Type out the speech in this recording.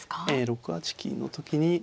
６八金の時に。